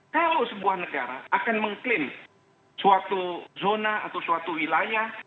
kalau sebuah negara akan mengklaim suatu zona atau suatu wilayah